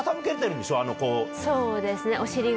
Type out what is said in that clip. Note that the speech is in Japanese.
そうですね。